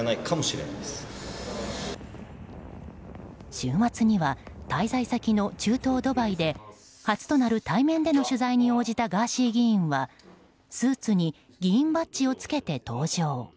週末には滞在先の中東ドバイで初となる対面での取材に応じたガーシー議員はスーツに議員バッジを着けて登場。